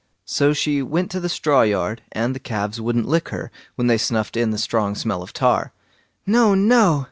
So she went to the straw yard, and the calves wouldn't lick her, when they snuffed in the strong smell of tar. "No, no!"